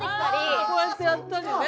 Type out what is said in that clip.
ああこうやってやったりね。